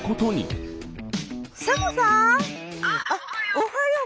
おはよう。